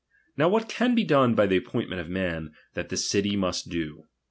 Now what can be done by the appointment of men, that the city may do.